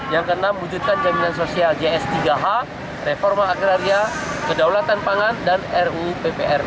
yang keenam wujudkan jaminan sosial js tiga h reforma agraria kedaulatan pangan dan ruu ppr